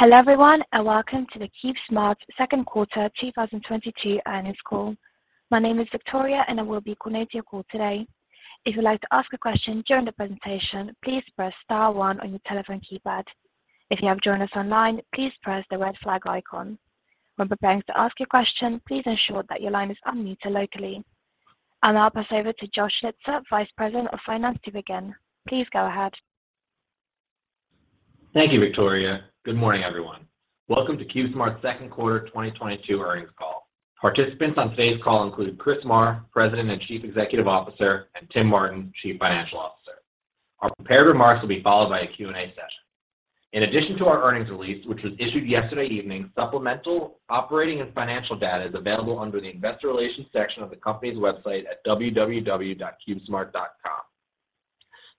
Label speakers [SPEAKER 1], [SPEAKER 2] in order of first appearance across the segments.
[SPEAKER 1] Hello everyone, and welcome to the CubeSmart Second Quarter 2022 Earnings Call. My name is Victoria, and I will be coordinating your call today. If you'd like to ask a question during the presentation, please press star one on your telephone keypad. If you have joined us online, please press the red flag icon. When preparing to ask your question, please ensure that your line is unmuted locally. I'll now pass over to Josh Schutzer, Vice President of Finance to begin. Please go ahead.
[SPEAKER 2] Thank you, Victoria. Good morning, everyone. Welcome to CubeSmart's second quarter 2022 earnings call. Participants on today's call include Christopher Marr, President and Chief Executive Officer, and Timothy Martin, Chief Financial Officer. Our prepared remarks will be followed by a Q&A session. In addition to our earnings release, which was issued yesterday evening, supplemental operating and financial data is available under the Investor Relations section of the company's website at www.cubesmart.com.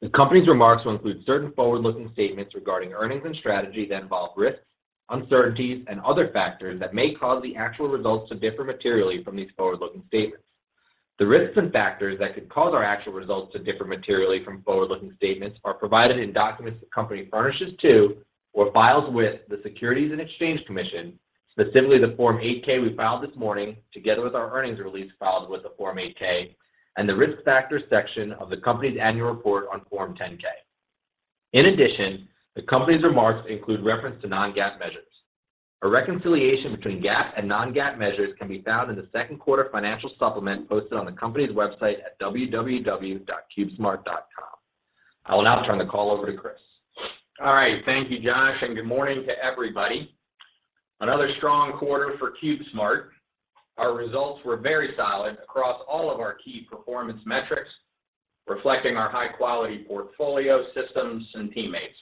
[SPEAKER 2] The company's remarks will include certain forward-looking statements regarding earnings and strategies that involve risks, uncertainties, and other factors that may cause the actual results to differ materially from these forward-looking statements. The risks and factors that could cause our actual results to differ materially from forward-looking statements are provided in documents the company furnishes to or files with the Securities and Exchange Commission, specifically the Form 8-K we filed this morning, together with our earnings release filed with the Form 8-K, and the Risk Factors section of the company's annual report on Form 10-K. In addition, the company's remarks include reference to non-GAAP measures. A reconciliation between GAAP and non-GAAP measures can be found in the second quarter financial supplement posted on the company's website at www.CubeSmart.com. I will now turn the call over to Chris.
[SPEAKER 3] All right. Thank you, Josh, and good morning to everybody. Another strong quarter for CubeSmart. Our results were very solid across all of our key performance metrics, reflecting our high-quality portfolio, systems, and teammates.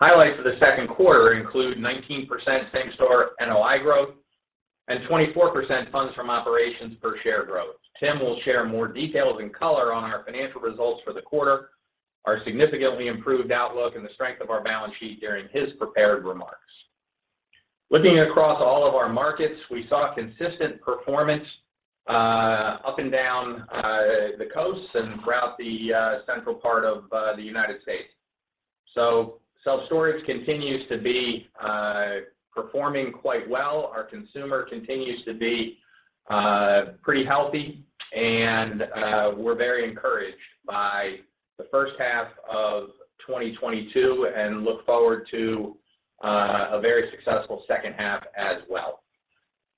[SPEAKER 3] Highlights of the second quarter include 19% same-store NOI growth and 24% funds from operations per share growth. Tim will share more details and color on our financial results for the quarter, our significantly improved outlook, and the strength of our balance sheet during his prepared remarks. Looking across all of our markets, we saw consistent performance, up and down, the coasts and throughout the central part of the United States. Self-storage continues to be performing quite well. Our consumer continues to be pretty healthy and we're very encouraged by the first half of 2022 and look forward to a very successful second half as well.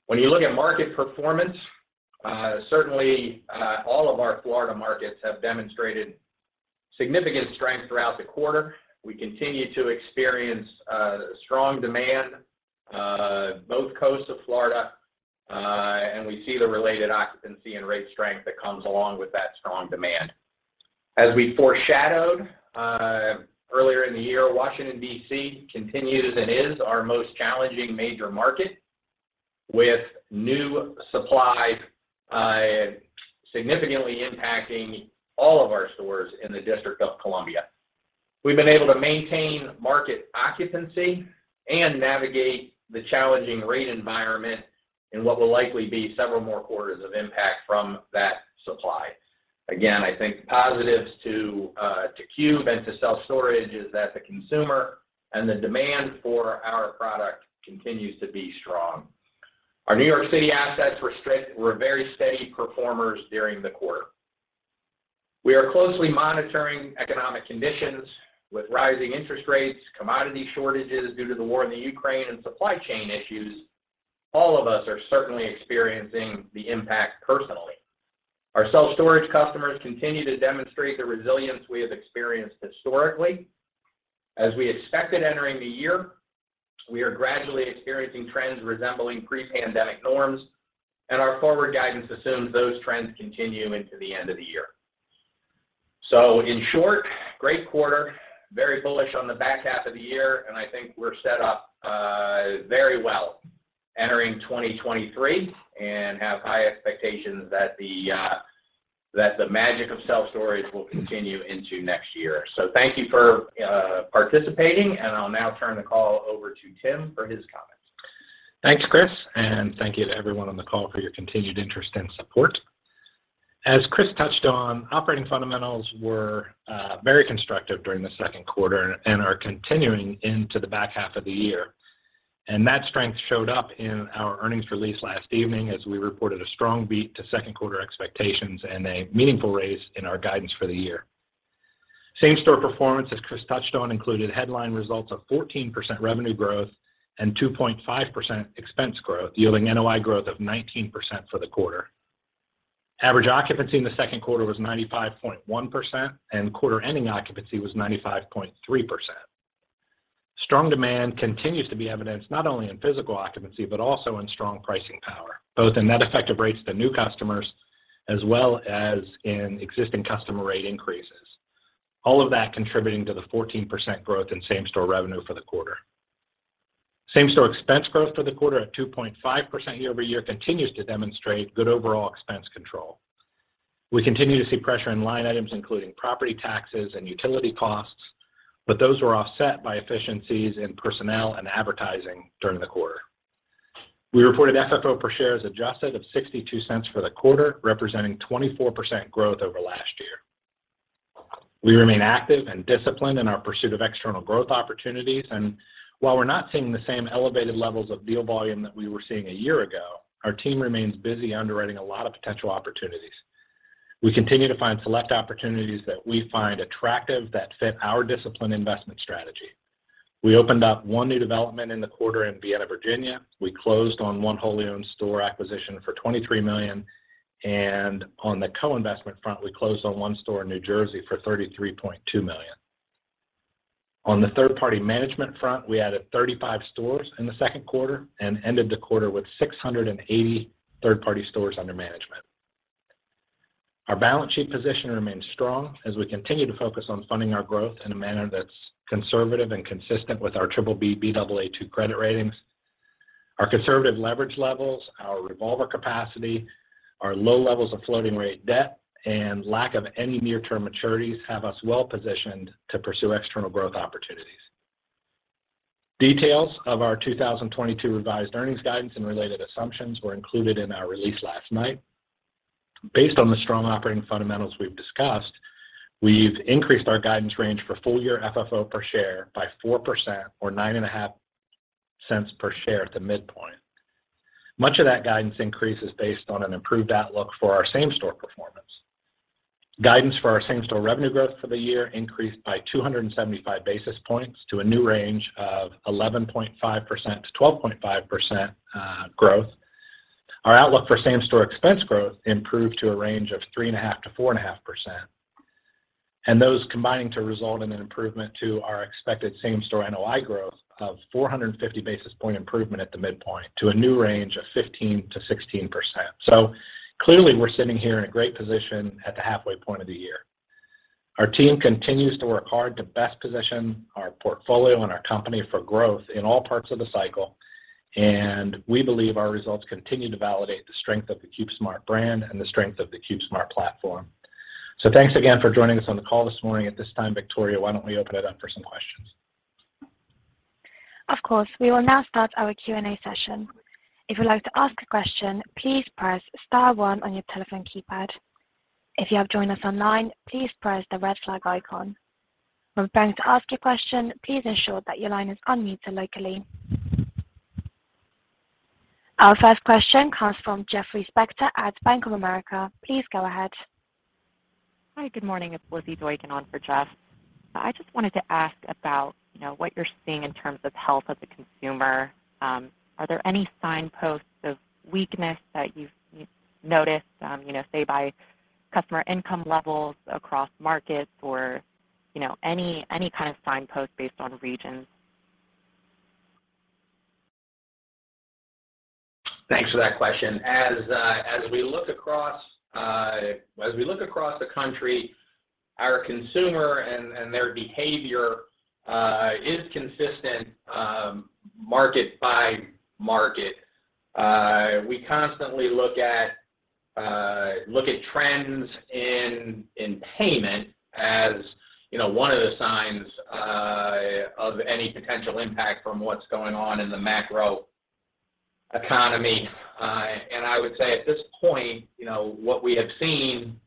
[SPEAKER 3] When you look at market performance, certainly all of our Florida markets have demonstrated significant strength throughout the quarter. We continue to experience strong demand both coasts of Florida and we see the related occupancy and rate strength that comes along with that strong demand. As we foreshadowed earlier in the year, Washington, D.C. continues and is our most challenging major market with new supply significantly impacting all of our stores in the District of Columbia. We've been able to maintain market occupancy and navigate the challenging rate environment in what will likely be several more quarters of impact from that supply. Again, I think positives to Cube and to self-storage is that the consumer and the demand for our product continues to be strong. Our New York City assets were very steady performers during the quarter. We are closely monitoring economic conditions with rising interest rates, commodity shortages due to the war in the Ukraine, and supply chain issues. All of us are certainly experiencing the impact personally. Our self-storage customers continue to demonstrate the resilience we have experienced historically. As we expected entering the year, we are gradually experiencing trends resembling pre-pandemic norms, and our forward guidance assumes those trends continue into the end of the year. In short, great quarter, very bullish on the back half of the year, and I think we're set up very well entering 2023 and have high expectations that the magic of self-storage will continue into next year. Thank you for participating, and I'll now turn the call over to Tim for his comments.
[SPEAKER 4] Thanks, Chris, and thank you to everyone on the call for your continued interest and support. As Chris touched on, operating fundamentals were very constructive during the second quarter and are continuing into the back half of the year. That strength showed up in our earnings release last evening as we reported a strong beat to second quarter expectations and a meaningful raise in our guidance for the year. Same-store performance, as Chris touched on, included headline results of 14% revenue growth and 2.5% expense growth, yielding NOI growth of 19% for the quarter. Average occupancy in the second quarter was 95.1%, and quarter-ending occupancy was 95.3%. Strong demand continues to be evidenced not only in physical occupancy, but also in strong pricing power, both in net effective rates to new customers as well as in existing customer rate increases. All of that contributing to the 14% growth in same-store revenue for the quarter. Same-store expense growth for the quarter at 2.5% year-over-year continues to demonstrate good overall expense control. We continue to see pressure in line items, including property taxes and utility costs, but those were offset by efficiencies in personnel and advertising during the quarter. We reported FFO per share as adjusted of $0.62 for the quarter, representing 24% growth over last year.
[SPEAKER 3] We remain active and disciplined in our pursuit of external growth opportunities, and while we're not seeing the same elevated levels of deal volume that we were seeing a year ago, our team remains busy underwriting a lot of potential opportunities. We continue to find select opportunities that we find attractive that fit our disciplined investment strategy. We opened up one new development in the quarter in Vienna, Virginia. We closed on one wholly owned store acquisition for $23 million, and on the co-investment front, we closed on one store in New Jersey for $33.2 million. On the third-party management front, we added 35 stores in the second quarter and ended the quarter with 680 third-party stores under management. Our balance sheet position remains strong as we continue to focus on funding our growth in a manner that's conservative and consistent with our BBB/A-2 credit ratings. Our conservative leverage levels, our revolver capacity, our low levels of floating rate debt, and lack of any near-term maturities have us well positioned to pursue external growth opportunities. Details of our 2022 revised earnings guidance and related assumptions were included in our release last night. Based on the strong operating fundamentals we've discussed, we've increased our guidance range for full year FFO per share by 4% or $0.095 per share at the midpoint. Much of that guidance increase is based on an improved outlook for our same-store performance. Guidance for our same-store revenue growth for the year increased by 275 basis points to a new range of 11.5%-12.5% growth. Our outlook for same-store expense growth improved to a range of 3.5%-4.5%. Those combining to result in an improvement to our expected same-store NOI growth of 450 basis point improvement at the midpoint to a new range of 15%-16%. Clearly, we're sitting here in a great position at the halfway point of the year. Our team continues to work hard to best position our portfolio and our company for growth in all parts of the cycle, and we believe our results continue to validate the strength of the CubeSmart brand and the strength of the CubeSmart platform. Thanks again for joining us on the call this morning. At this time, Victoria, why don't we open it up for some questions?
[SPEAKER 1] Of course. We will now start our Q&A session. If you'd like to ask a question, please press star one on your telephone keypad. If you have joined us online, please press the red flag icon. When preparing to ask your question, please ensure that your line is unmuted locally. Our first question comes from Jeffrey Spector at Bank of America. Please go ahead.
[SPEAKER 5] Hi, good morning. It's Lizzy Doykan on for Jeff. I just wanted to ask about, you know, what you're seeing in terms of health of the consumer. Are there any signposts of weakness that you've noticed, you know, say, by customer income levels across markets or, you know, any kind of signpost based on regions?
[SPEAKER 3] Thanks for that question. As we look across the country, our consumer and their behavior is consistent market by market. We constantly look at trends in payment as, you know, one of the signs of any potential impact from what's going on in the macro economy. I would say at this point, you know, what we have seen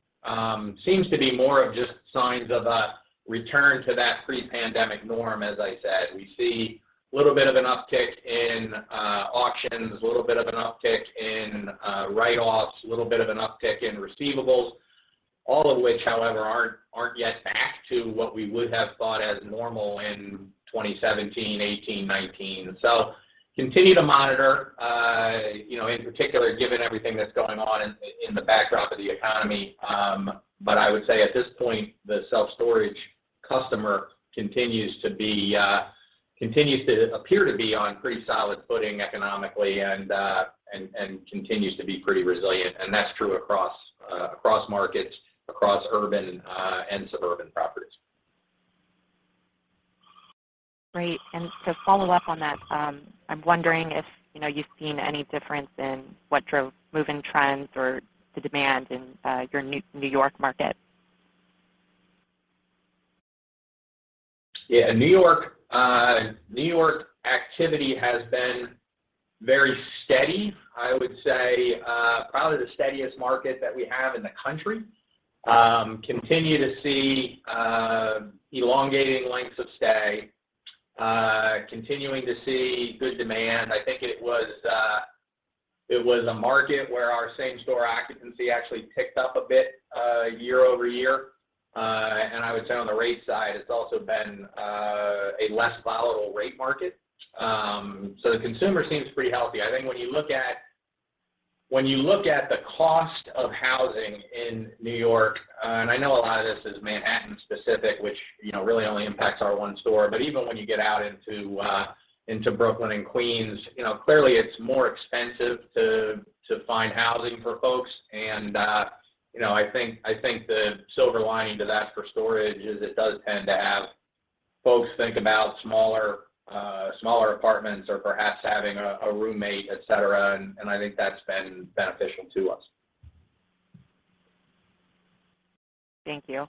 [SPEAKER 3] seems to be more of just signs of a return to that pre-pandemic norm, as I said. We see a little bit of an uptick in auctions, a little bit of an uptick in write-offs, a little bit of an uptick in receivables, all of which, however, aren't yet back to what we would have thought as normal in 2017, 2018, 2019. Continue to monitor in particular, given everything that's going on in the backdrop of the economy. I would say at this point, the self-storage customer continues to appear to be on pretty solid footing economically and continues to be pretty resilient, and that's true across markets, across urban and suburban properties.
[SPEAKER 5] Great. To follow up on that, I'm wondering if, you know, you've seen any difference in what drove move-in trends or the demand in your New York market?
[SPEAKER 3] Yeah. New York activity has been very steady. I would say probably the steadiest market that we have in the country. Continue to see elongating lengths of stay, continuing to see good demand. I think it was a market where our same-store occupancy actually ticked up a bit year-over-year. I would say on the rate side, it's also been a less volatile rate market. The consumer seems pretty healthy. I think when you look at the cost of housing in New York, and I know a lot of this is Manhattan specific, which you know really only impacts our one store, but even when you get out into Brooklyn and Queens, you know clearly it's more expensive to find housing for folks. You know, I think the silver lining to that for storage is it does tend to have folks think about smaller apartments or perhaps having a roommate, et cetera. I think that's been beneficial to us.
[SPEAKER 5] Thank you.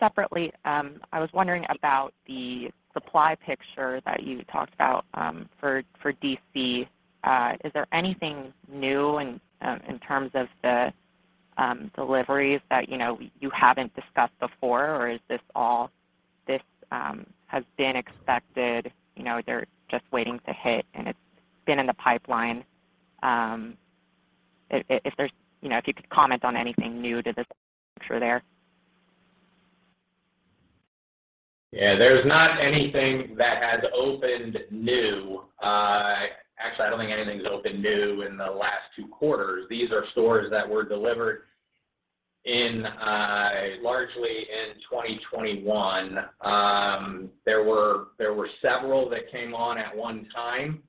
[SPEAKER 5] Separately, I was wondering about the supply picture that you talked about, for D.C. Is there anything new in terms of the Deliveries that, you know, you haven't discussed before or is this all this has been expected, you know, they're just waiting to hit, and it's been in the pipeline. You know, if you could comment on anything new to this picture there.
[SPEAKER 3] Yeah. There's not anything that has opened new. Actually, I don't think anything's opened new in the last two quarters. These are stores that were delivered in, largely in 2021. There were several that came on at one time,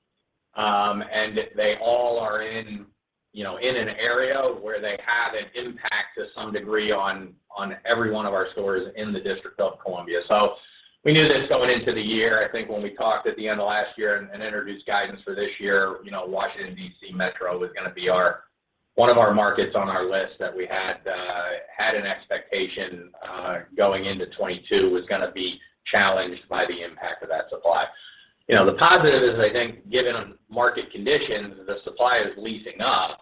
[SPEAKER 3] and they all are in, you know, in an area where they have an impact to some degree on every one of our stores in the District of Columbia. We knew this going into the year. I think when we talked at the end of last year and introduced guidance for this year, you know, Washington D.C. Metro was gonna be our one of our markets on our list that we had an expectation going into 2022 was gonna be challenged by the impact of that supply. You know, the positive is, I think, given market conditions, the supply is leasing up.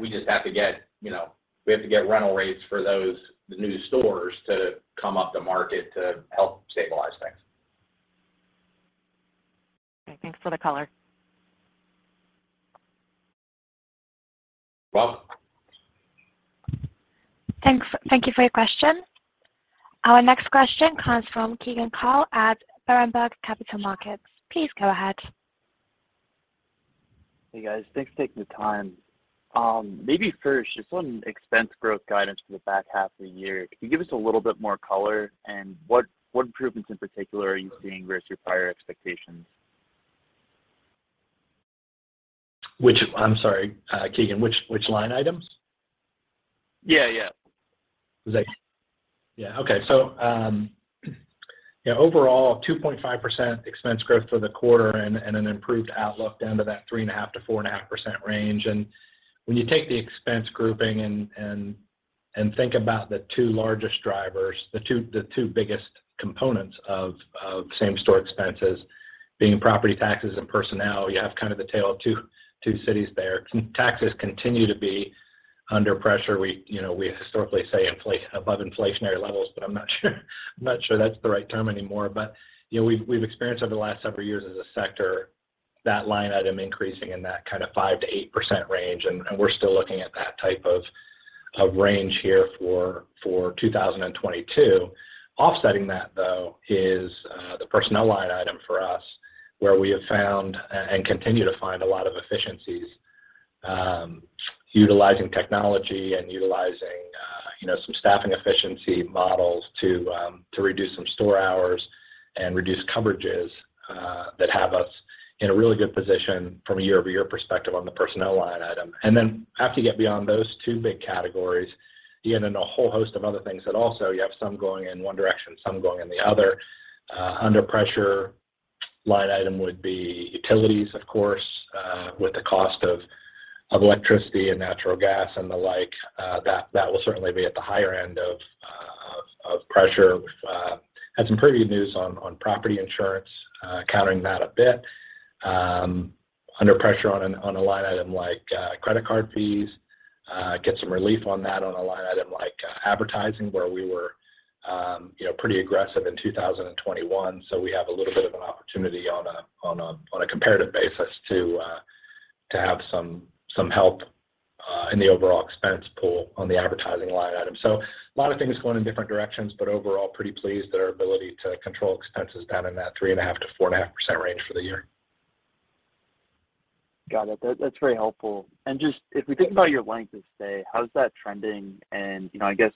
[SPEAKER 3] We just have to get, you know, rental rates for those, the new stores to come up to market to help stabilize things.
[SPEAKER 5] Okay. Thanks for the color.
[SPEAKER 3] You're welcome.
[SPEAKER 1] Thanks. Thank you for your question. Our next question comes from Keegan Carl at Berenberg Capital Markets. Please go ahead.
[SPEAKER 6] Hey, guys. Thanks for taking the time. Maybe first, just on expense growth guidance for the back half of the year, can you give us a little bit more color, and what improvements in particular are you seeing versus your prior expectations?
[SPEAKER 4] I'm sorry, Keegan. Which line items?
[SPEAKER 6] Yeah, yeah.
[SPEAKER 4] Overall, 2.5% expense growth for the quarter and an improved outlook down to that 3.5%-4.5% range. When you take the expense grouping and think about the two largest drivers, the two biggest components of same-store expenses being property taxes and personnel, you have kind of the tale of two cities there. Taxes continue to be under pressure. You know, we historically say inflation, above inflationary levels, but I'm not sure that's the right term anymore. You know, we've experienced over the last several years as a sector that line item increasing in that kind of 5%-8% range, and we're still looking at that type of range here for 2022. Offsetting that, though, is the personnel line item for us, where we have found and continue to find a lot of efficiencies, utilizing technology and utilizing, you know, some staffing efficiency models to reduce some store hours and reduce coverages, that have us in a really good position from a year-over-year perspective on the personnel line item. Then after you get beyond those two big categories, you get into a whole host of other things that also you have some going in one direction, some going in the other. Under pressure line item would be utilities, of course, with the cost of electricity and natural gas and the like, that will certainly be at the higher end of pressure. We've had some pretty good news on property insurance, countering that a bit. Under pressure on a line item like credit card fees, get some relief on that on a line item like advertising, where we were, you know, pretty aggressive in 2021, so we have a little bit of an opportunity on a comparative basis to have some help in the overall expense pool on the advertising line item. A lot of things going in different directions, but overall pretty pleased that our ability to control expense is down in that 3.5%-4.5% range for the year.
[SPEAKER 6] Got it. That, that's very helpful. Just if we think about your length of stay, how's that trending? You know, I guess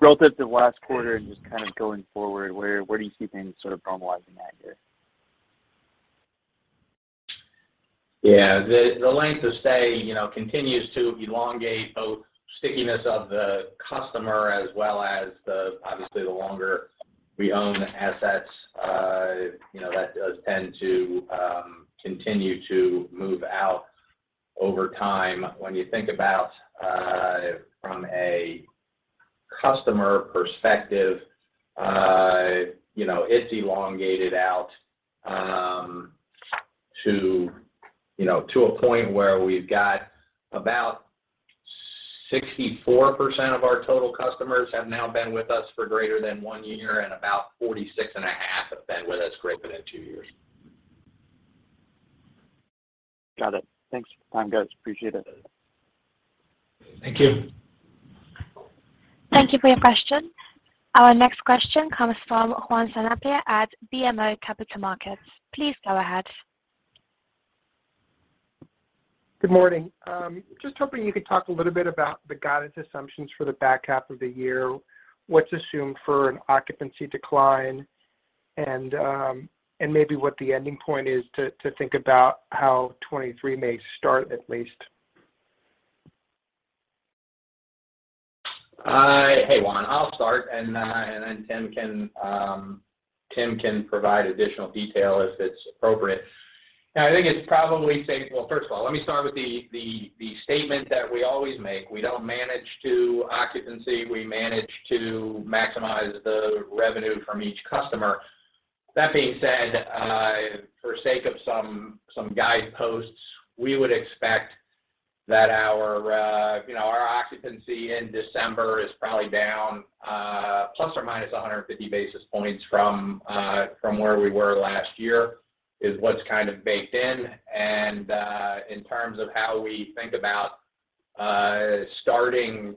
[SPEAKER 6] relative to last quarter and just kind of going forward, where do you see things sort of normalizing that here?
[SPEAKER 3] Yeah. The length of stay, you know, continues to elongate both stickiness of the customer as well as the obviously the longer we own assets, you know, that does tend to continue to move out over time. When you think about from a customer perspective, you know, it's elongated out to you know to a point where we've got about 64% of our total customers have now been with us for greater than one year, and about 46.5% have been with us greater than two years.
[SPEAKER 6] Got it. Thanks for the time, guys. Appreciate it.
[SPEAKER 3] Thank you.
[SPEAKER 1] Thank you for your question. Our next question comes from Juan Sanabria at BMO Capital Markets. Please go ahead.
[SPEAKER 7] Good morning. Just hoping you could talk a little bit about the guidance assumptions for the back half of the year. What's assumed for an occupancy decline, and and maybe what the ending point is to think about how 2023 may start at least?
[SPEAKER 3] Hey, Juan. I'll start and then Tim can provide additional detail if it's appropriate. Yeah, I think it's probably safe. Well, first of all, let me start with the statement that we always make. We don't manage to occupancy, we manage to maximize the revenue from each customer. That being said, for sake of some guideposts, we would expect that our, you know, our occupancy in December is probably down ±150 basis points from where we were last year is what's kind of baked in. In terms of how we think about starting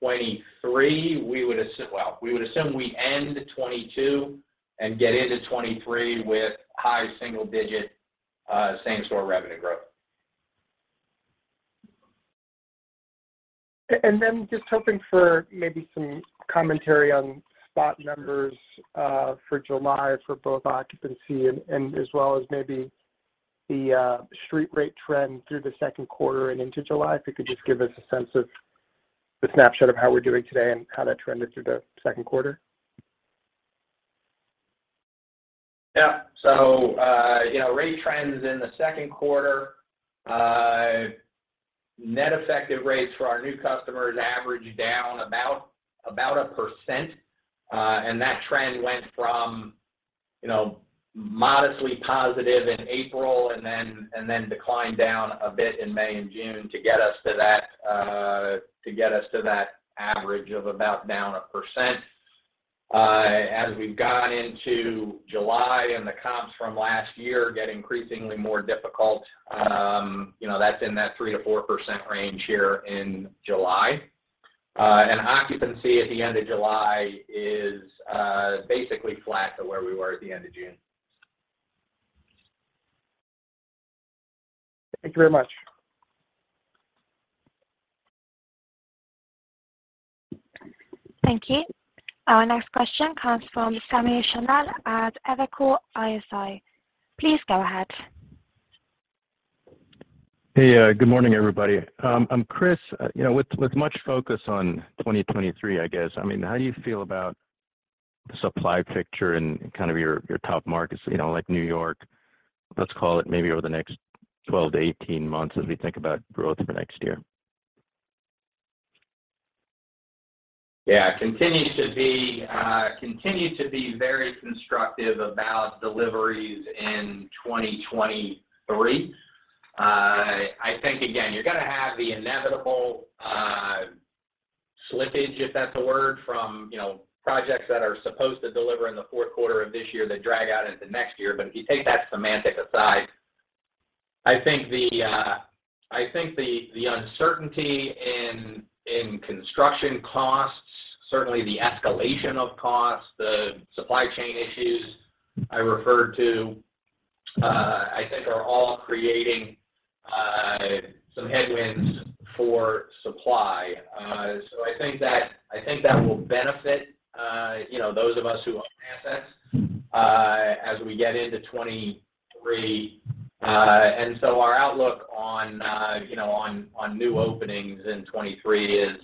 [SPEAKER 3] 2023, we would assume we end 2022 and get into 2023 with high single digit same-store revenue growth.
[SPEAKER 7] Just hoping for maybe some commentary on spot numbers for July for both occupancy and as well as maybe the street rate trend through the second quarter and into July. If you could just give us a sense of the snapshot of how we're doing today and how that trended through the second quarter.
[SPEAKER 3] Rate trends in the second quarter, net effective rates for our new customers averaged down about 1%. That trend went from you know, modestly positive in April and then declined down a bit in May and June to get us to that average of about down 1%. As we've got into July and the comps from last year get increasingly more difficult, you know, that's in that 3%-4% range here in July. Occupancy at the end of July is basically flat to where we were at the end of June.
[SPEAKER 7] Thank you very much.
[SPEAKER 1] Thank you. Our next question comes from Samir Khanal at Evercore ISI. Please go ahead.
[SPEAKER 8] Hey, good morning, everybody. Chris, you know, with much focus on 2023, I guess, I mean, how do you feel about the supply picture in kind of your top markets, you know, like New York, let's call it maybe over the next 12-18 months as we think about growth for next year?
[SPEAKER 3] Yeah. Continue to be very constructive about deliveries in 2023. I think again, you're gonna have the inevitable slippage, if that's a word, from, you know, projects that are supposed to deliver in the fourth quarter of this year that drag out into next year. If you take that semantics aside, I think the uncertainty in construction costs, certainly the escalation of costs, the supply chain issues I referred to, I think are all creating some headwinds for supply. I think that will benefit, you know, those of us who own assets, as we get into 2023. Our outlook on you know on new openings in 2023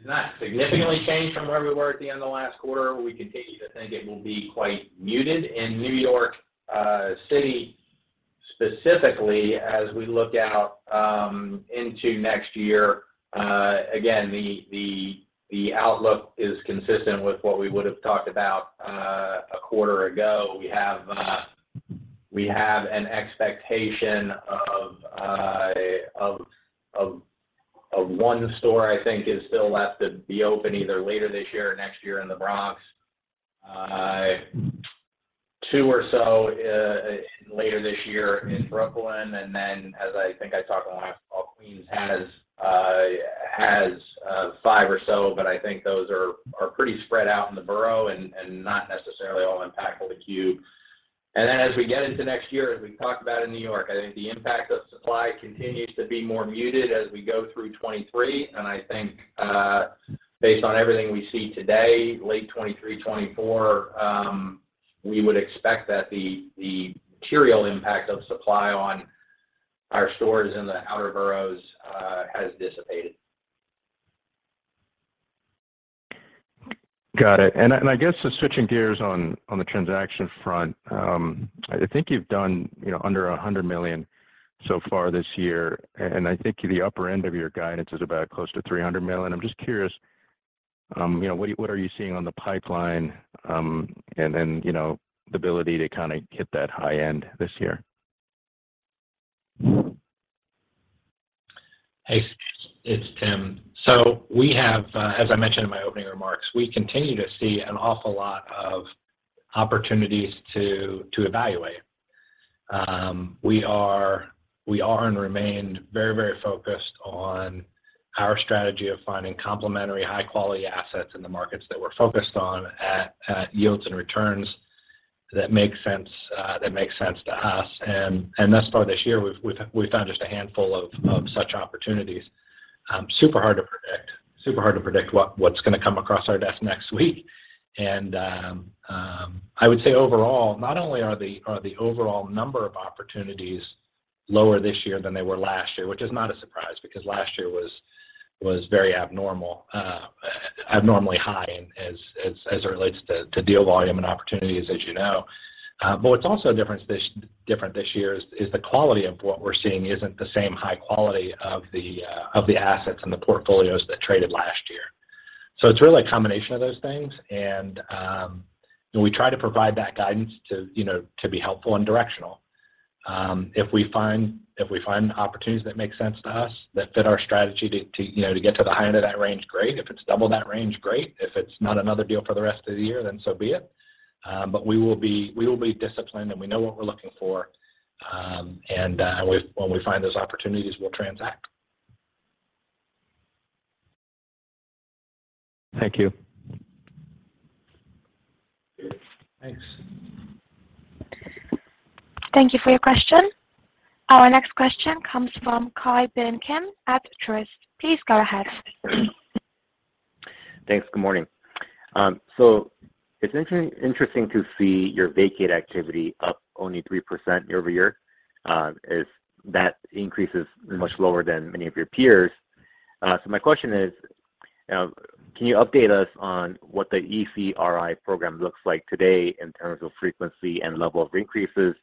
[SPEAKER 3] is not significantly changed from where we were at the end of last quarter. We continue to think it will be quite muted in New York City specifically as we look out into next year. Again, the outlook is consistent with what we would have talked about a quarter ago. We have an expectation of one store I think is still left to be open either later this year or next year in the Bronx. Two or so later this year in Brooklyn. As I think I talked on last call, Queens has 5 or so, but I think those are pretty spread out in the borough and not necessarily all impactful to CubeSmart. As we get into next year, as we talked about in New York, I think the impact of supply continues to be more muted as we go through 2023. I think based on everything we see today, late 2023, 2024, we would expect that the material impact of supply on our stores in the outer boroughs has dissipated.
[SPEAKER 8] Got it. I guess just switching gears on the transaction front. I think you've done, you know, under $100 million so far this year, and I think the upper end of your guidance is about close to $300 million. I'm just curious, you know, what are you seeing on the pipeline, and then, you know, the ability to kind of hit that high end this year?
[SPEAKER 4] Hey, it's Tim. We have, as I mentioned in my opening remarks, we continue to see an awful lot of opportunities to evaluate. We are and remain very focused on our strategy of finding complementary high-quality assets in the markets that we're focused on at yields and returns that make sense to us. Thus far this year, we've found just a handful of such opportunities. Super hard to predict what's gonna come across our desk next week. I would say overall, not only are the overall number of opportunities lower this year than they were last year, which is not a surprise because last year was very abnormal, abnormally high as it relates to deal volume and opportunities as you know. What's also different this year is the quality of what we're seeing isn't the same high quality of the assets and the portfolios that traded last year. It's really a combination of those things, and we try to provide that guidance to be helpful and directional. If we find opportunities that make sense to us, that fit our strategy to get to the high end of that range, great. If it's double that range, great. If it's not another deal for the rest of the year, then so be it. But we will be disciplined, and we know what we're looking for, and when we find those opportunities, we'll transact.
[SPEAKER 8] Thank you.
[SPEAKER 3] Thanks.
[SPEAKER 1] Thank you for your question. Our next question comes from Ki Bin Kim at Truist. Please go ahead.
[SPEAKER 9] Thanks. Good morning. It's interesting to see your vacate activity up only 3% year-over-year, as that increase is much lower than many of your peers. My question is, can you update us on what the ECRI program looks like today in terms of frequency and level of increases?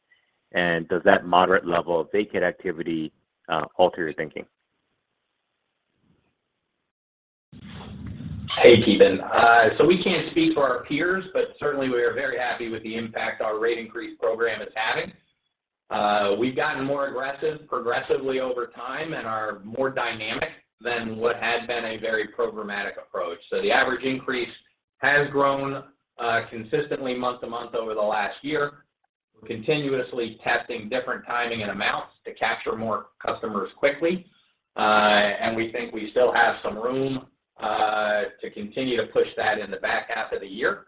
[SPEAKER 9] Does that moderate level of vacate activity alter your thinking?
[SPEAKER 3] Hey, Ki Bin. We can't speak for our peers, but certainly, we are very happy with the impact our rate increase program is having. We've gotten more aggressive progressively over time and are more dynamic than what had been a very programmatic approach. The average increase has grown consistently month to month over the last year. We're continuously testing different timing and amounts to capture more customers quickly, and we think we still have some room to continue to push that in the back half of the year.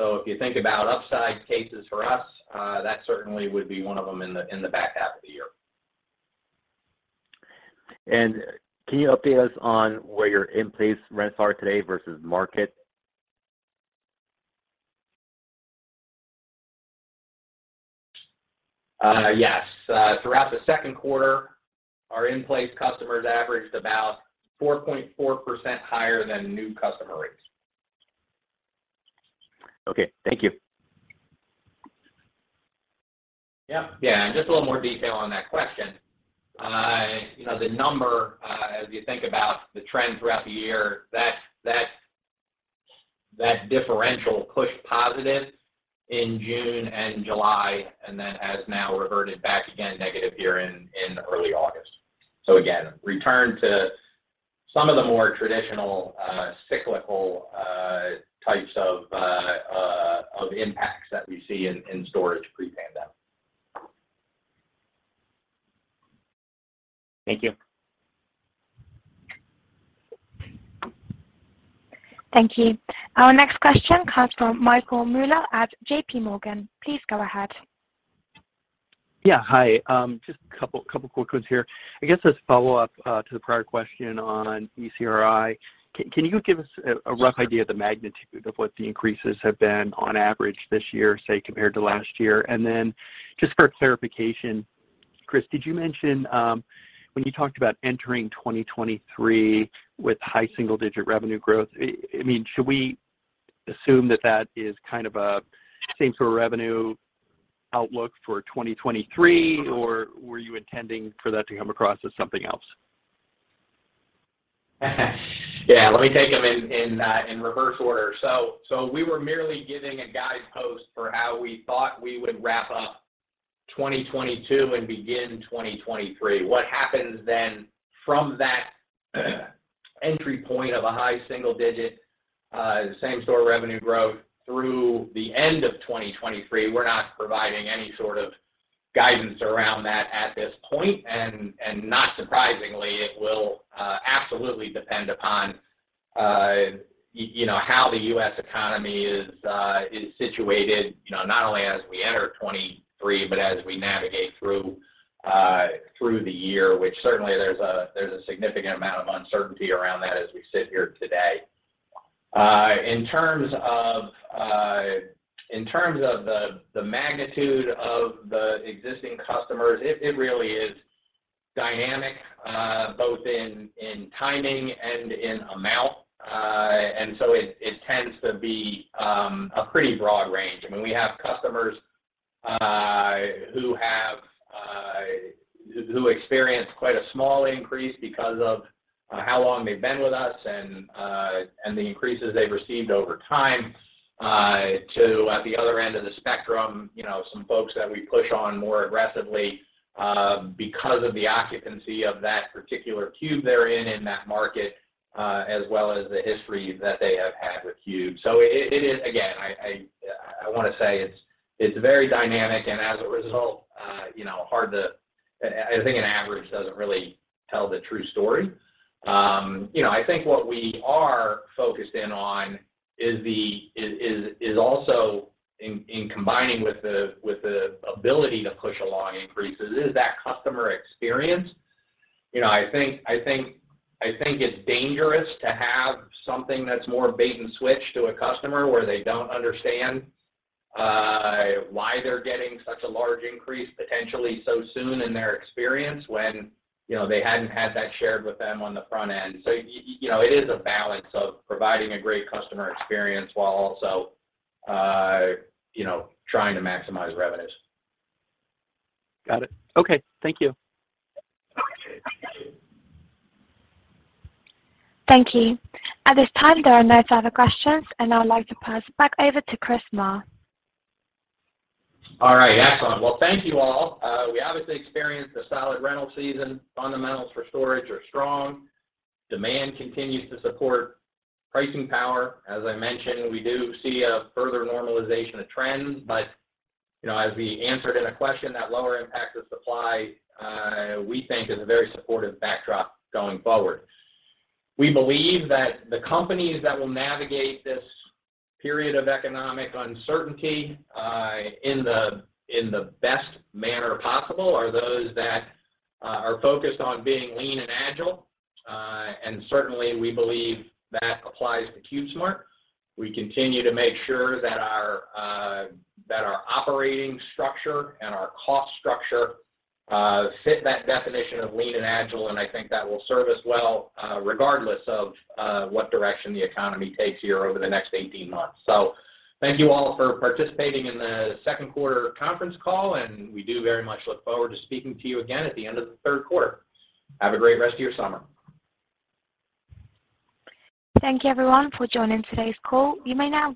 [SPEAKER 3] If you think about upside cases for us, that certainly would be one of them in the back half of the year.
[SPEAKER 9] Can you update us on where your in-place rents are today versus market?
[SPEAKER 3] Yes. Throughout the second quarter, our in-place customers averaged about 4.4% higher than new customer rates.
[SPEAKER 9] Okay. Thank you.
[SPEAKER 3] Yeah. Yeah, and just a little more detail on that question. You know, the number, as you think about the trend throughout the year, that differential pushed positive in June and July, and then has now reverted back again negative here in early August. Again, return to some of the more traditional cyclical types of impacts that we see in storage pre-pandemic.
[SPEAKER 9] Thank you.
[SPEAKER 1] Thank you. Our next question comes from Michael Mueller at JPMorgan. Please go ahead.
[SPEAKER 10] Yeah. Hi, just a couple quick ones here. I guess as follow-up to the prior question on ECRI, can you give us a rough idea of the magnitude of what the increases have been on average this year, say, compared to last year? Then just for clarification, Chris, did you mention when you talked about entering 2023 with high single-digit revenue growth, I mean, should we assume that is kind of a same-store revenue outlook for 2023, or were you intending for that to come across as something else?
[SPEAKER 3] Yeah. Let me take them in reverse order. We were merely giving a guidepost for how we thought we would wrap up 2022 and begin 2023. What happens then from that entry point of a high single-digit same-store revenue growth through the end of 2023, we're not providing any sort of guidance around that at this point, and not surprisingly, it will absolutely depend upon you know, how the U.S. economy is situated, you know, not only as we enter 2023, but as we navigate through the year, which certainly there's a significant amount of uncertainty around that as we sit here today. In terms of the magnitude of the existing customers, it really is dynamic both in timing and in amount. It tends to be a pretty broad range. I mean, we have customers who have experienced quite a small increase because of how long they've been with us and the increases they've received over time to at the other end of the spectrum, you know, some folks that we push on more aggressively because of the occupancy of that particular cube they're in in that market, as well as the history that they have had with Cube. It is, again, I want to say it's very dynamic, and as a result, you know, hard to. I think an average doesn't really tell the true story. You know, I think what we are focused in on is also, in combining with the ability to push along increases, that customer experience. You know, I think it's dangerous to have something that's more bait and switch to a customer, where they don't understand why they're getting such a large increase potentially so soon in their experience when, you know, they hadn't had that shared with them on the front end. You know, it is a balance of providing a great customer experience while also, you know, trying to maximize revenues.
[SPEAKER 10] Got it. Okay. Thank you.
[SPEAKER 3] Okay.
[SPEAKER 1] Thank you. At this time, there are no further questions, and I would like to pass it back over to Christopher Marr.
[SPEAKER 3] All right. Excellent. Well, thank you, all. We obviously experienced a solid rental season. Fundamentals for storage are strong. Demand continues to support pricing power. As I mentioned, we do see a further normalization of trends, but, you know, as we answered in a question, that lower impact of supply, we think is a very supportive backdrop going forward. We believe that the companies that will navigate this period of economic uncertainty, in the best manner possible are those that are focused on being lean and agile. Certainly, we believe that applies to CubeSmart. We continue to make sure that our operating structure and our cost structure fit that definition of lean and agile, and I think that will serve us well, regardless of what direction the economy takes here over the next 18 months. Thank you all for participating in the second quarter conference call, and we do very much look forward to speaking to you again at the end of the third quarter. Have a great rest of your summer.
[SPEAKER 1] Thank you, everyone, for joining today's call. You may now dis-